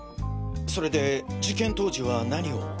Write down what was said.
それで事件当時は何を？